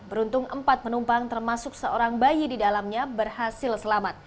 beruntung empat penumpang termasuk seorang bayi di dalamnya berhasil selamat